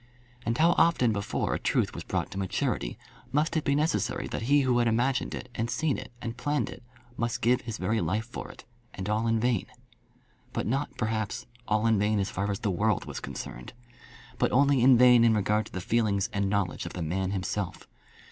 And how often before a truth was brought to maturity must it be necessary that he who had imagined it, and seen it, and planned it, must give his very life for it, and all in vain? But not perhaps all in vain as far as the world was concerned; but only in vain in regard to the feelings and knowledge of the man himself.